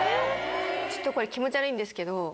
ちょっとこれ気持ち悪いんですけど。